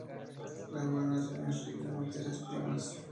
La gobernación es rica en materias primas.